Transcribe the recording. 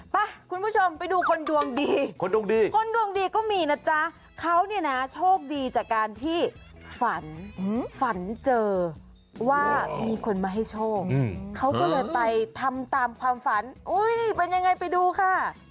ไปคุณผู้ชมไปดูคนดวงดีคนดวงดีคนดวงดีก็มีนะจ๊ะเขาเนี่ยนะโชคดีจากการที่ฝันฝันเจอว่ามีคนมาให้โชคเขาก็เลยไปทำตามความฝันอุ้ยเป็นยังไงไปดูค่ะ